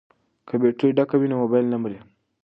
که بیټرۍ ډکه وي نو مبایل نه مري.